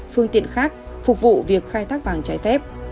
phương tiện khác phục vụ việc khai thác vàng trái phép